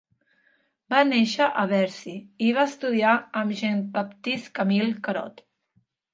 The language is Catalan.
Va néixer a Bercy i va estudiar amb Jean-Baptiste-Camille Corot.